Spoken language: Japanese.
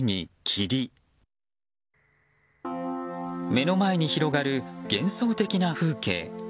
目の前に広がる幻想的な風景。